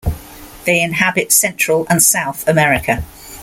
They inhabit Central and South America.